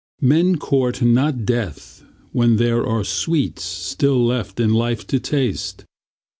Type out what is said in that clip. Men court not death When there are sweets still left in life to taste.